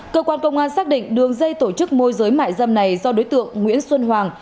cơ quan công an xác định đường dây tổ chức môi giới mại dâm này do đối tượng nguyễn xuân hoàng